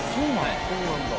そうなんだ。